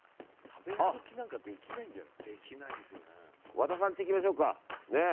和田さんち行きましょうか。